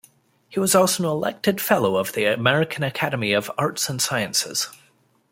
He was also an elected Fellow of the American Academy of Arts and Sciences.